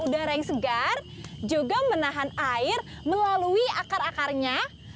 sampai jumpa di video selanjutnya